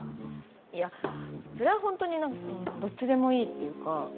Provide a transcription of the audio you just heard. いやそれは本当にどっちでもいいっていうか。